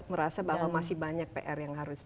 merasa bahwa masih banyak pr yang harus